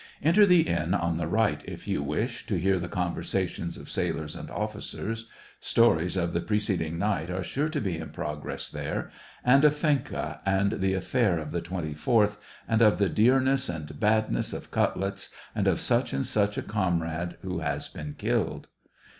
Enter the inn on the right if you wish to hear the conversations of sailors and officers ; stories of the preceding night are sure to be in progress there, and of Fenka, and the affair of the 24th, and of the dearness and badness of cutlets, and of such and such a comrade who has been killed.